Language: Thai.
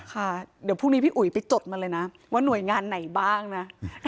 ค่ะเดี๋ยวพรุ่งนี้พี่อุ๋ยไปจดมาเลยนะว่าหน่วยงานไหนบ้างนะ